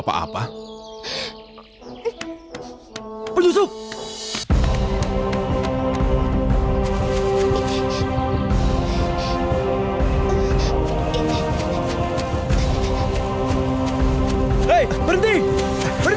makanya kau harus sayang kepadamu sekarang